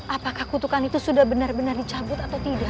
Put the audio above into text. apakah kutukan itu sudah benar benar dicabut atau tidak